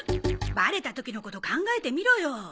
バレた時のこと考えてみろよ。